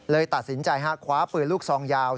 ตัดสินใจคว้าปืนลูกซองยาว